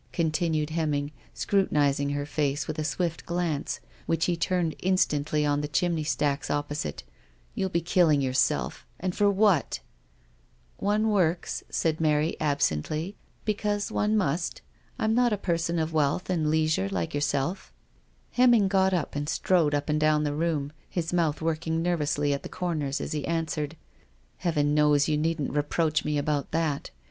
continued Hemming, scru tinising her face with a swift glance which he turned instantly on the chimney stacks oppo site, "you'll be killing yourself, and for what?" "One works," said Mary absently, "be cause one must. And besides," she added, smiling, "I'm not a person of wealth and leisure like yourself." Hemming got up and strode up and down the room, his mouth working nervously at the corners as he answered: "Heaven knows you needn't reproach me about that.